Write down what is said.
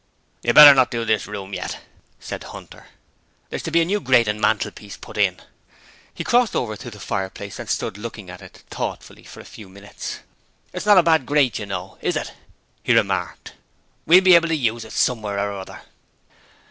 'You'd better not do this room yet,' said Hunter. 'There's to be a new grate and mantelpiece put in.' He crossed over to the fireplace and stood looking at it thoughtfully for a few minutes. 'It's not a bad little grate, you know, is it?' he remarked. 'We'll be able to use it somewhere or other.'